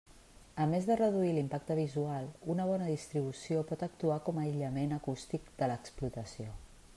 A més de reduir l'impacte visual, una bona distribució pot actuar com a aïllament acústic de l'explotació.